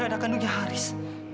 anak kanunya haris